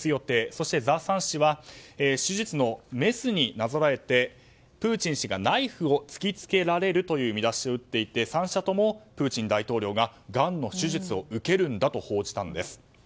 そしてザ・サン紙は手術のメスになぞらえてプーチン氏がナイフを突きつけられるという見出しを打っていて３社ともプーチン大統領ががんの手術を受けるんだと報じたんです。